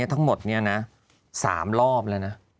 ทั้งหมดนี้นะ๓รอบแล้วนะ